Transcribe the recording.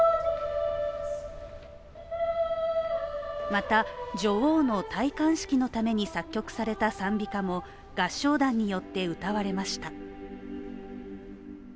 また、女王の戴冠式のために作曲された賛美歌も合唱団によって歌われました。